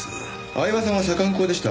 饗庭さんは左官工でした。